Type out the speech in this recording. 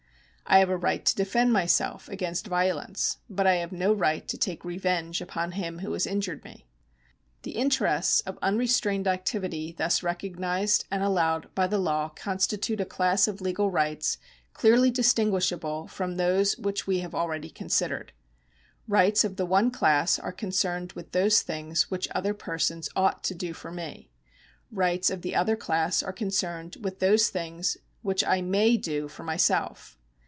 I have a right to defend myself against violence, but I have no right to take revenge upon him who has injured me. The interests of uiu estrained activity thus recognised and allowed by the law constitute a class of legal rights clearly distinguishable from those which we have already considered. Rights of the one class are concerned with those things which other persons ouglit to do for me ; rights of the other class are concerned with those things which I may do for myself.